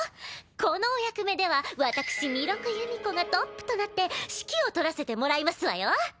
このお役目では私弥勒夕海子がトップとなって指揮を執らせてもらいますわよ。